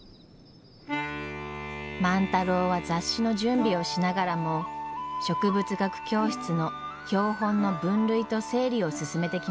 万太郎は雑誌の準備をしながらも植物学教室の標本の分類と整理を進めてきました。